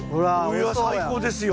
いや最高ですよ。